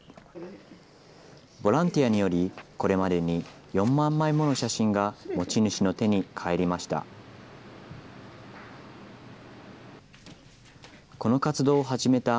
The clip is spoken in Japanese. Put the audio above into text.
ボランティアにより、これまでに４万枚もの写真が持ち主の手に返りました。